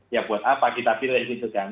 ya buat apa kita pilih gitu kan